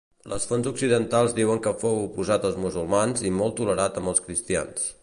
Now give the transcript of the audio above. Les fonts occidentals diuen que fou oposat als musulmans i molt tolerant amb els cristians.